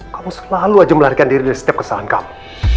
kamu selalu aja melarikan diri dari setiap kesahan kamu